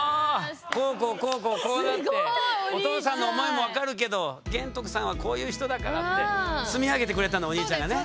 「こうこうこうこうこうなってお父さんの思いも分かるけど玄徳さんはこういう人だから」って積み上げてくれたのお兄ちゃんがね。